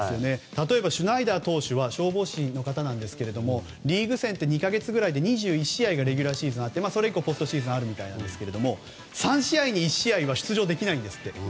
例えば、シュナイダー投手は消防士ですがリーグ戦、２か月ぐらいで２１試合ぐらい試合があってそれ以降、ポストシーズンがあるみたいなんですが３試合に１試合は出場できないんですって。